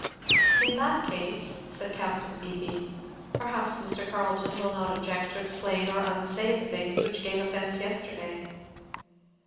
"In that case," said Capt. Beebee, "perhaps Mr. Carleton will not object to explain or unsay the things which gave offence yesterday."